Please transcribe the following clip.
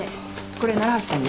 これ奈良橋さんに。